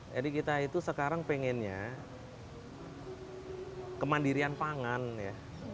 jadi kita itu sekarang pengennya kemandirian pangan ya